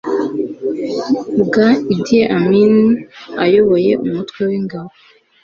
bwa idi amin ayoboye umutwe w'ingabo